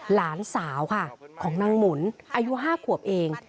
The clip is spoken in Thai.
หลานสาวค่ะของนางหมุนอายุ๕ขวบเอง